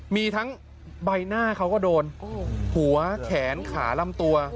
มีทั้งใบหน้าเขาก็โดนหัวแขนขาลำตัว